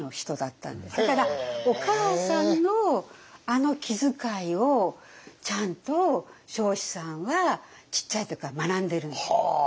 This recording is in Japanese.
だからお母さんのあの気遣いをちゃんと彰子さんはちっちゃい時から学んでるんです。